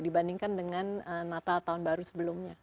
dibandingkan dengan natal tahun baru sebelumnya